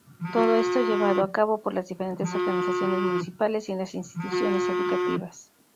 Todo esto llevado a cabo por las diferentes organizaciones municipales y las instituciones educativas.